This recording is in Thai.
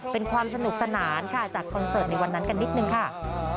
เป็นความสนุกสนานค่ะจัดคอนเสิร์ตในวันนั้นกันนิดนึงค่ะ